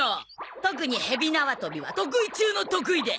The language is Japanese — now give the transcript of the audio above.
特にヘビなわとびは得意中の得意で。